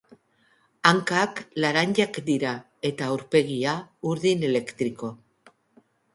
Hankak laranjak dira eta aurpegia urdin elektriko.